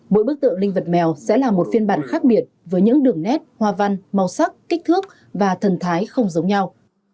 mỗi bức tượng linh vật mèo sẽ là một phiên bản khác biệt với những đường nét hoa văn màu sắc kích thước và thần thái không giống nhau